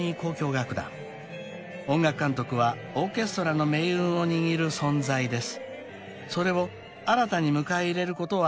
［音楽監督はオーケストラの命運を握る存在です］